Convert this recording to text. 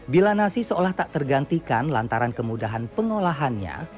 bila nasi seolah tak tergantikan lantaran kemudahan pengolahannya